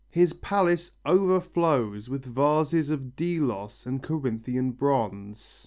His palace overflows with vases of Delos and Corinthian bronze.